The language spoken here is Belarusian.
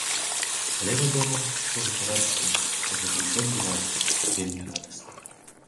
Але, вядома, усё гэта радасна, што гэта ўсё адбываецца, вельмі радасна!